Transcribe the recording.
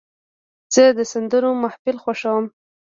زه د سندرو محفل خوښوم.